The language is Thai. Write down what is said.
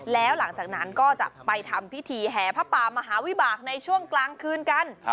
แล้วหลังจากนั้นก็จะไปทำพิธีแห่พระป่ามหาวิบากในช่วงกลางคืนกัน